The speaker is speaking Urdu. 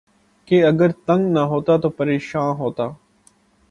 کہ اگر تنگ نہ ہوتا تو پریشاں ہوتا